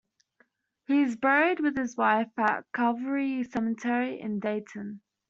He is buried with his wife at Calvary Cemetery in Dayton.